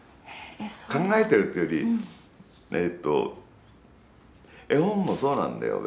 考えてるというより、えーっと絵本もそうなんだよ、別に。